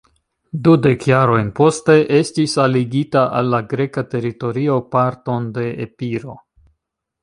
Dudek jarojn poste, estis aligita al la greka teritorio parton de Epiro.